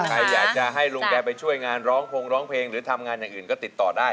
ใครอยากจะให้ลุงแกไปช่วยงานร้องพงร้องเพลงหรือทำงานอย่างอื่นก็ติดต่อได้